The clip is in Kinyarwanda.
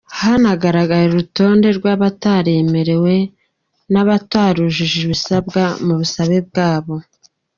rw hanagaragara urutonde rw’abatemerewe n’abatarujuje ibisabwa mu busabe bwabo.